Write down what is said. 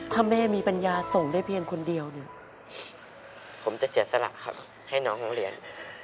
ถ้าแม่มีปัญญาส่งได้เพียงคนเดียวเนี่ยผมจะเสียสละครับให้น้องโรงเรียน